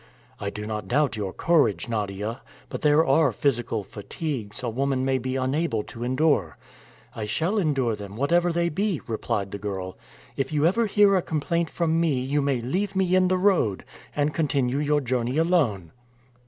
"I do not doubt your courage, Nadia, but there are physical fatigues a woman may be unable to endure." "I shall endure them, whatever they be," replied the girl. "If you ever hear a complaint from me you may leave me in the road, and continue your journey alone."